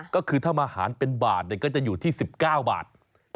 ก็คือถ้ามาหารเป็นบาทก็จะอยู่ที่๑๙บาท